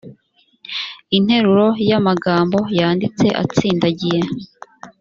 interuro y amagambo yanditse atsindagiye